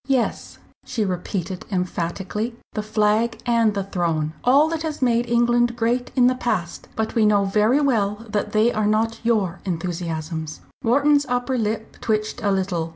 "Yes," she repeated emphatically, "the Flag and the Throne all that has made England great in the past. But we know very well that they are not your enthusiasms." Wharton's upper lip twitched a little.